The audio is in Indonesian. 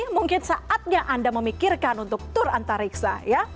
mungkin saatnya anda memikirkan untuk tur antariksa ya